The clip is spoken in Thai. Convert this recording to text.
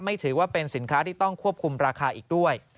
ถือว่าเป็นสินค้าที่ต้องควบคุมราคาอีกด้วย